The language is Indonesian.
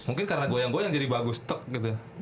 mungkin karena goyang goyang jadi bagus tek gitu ya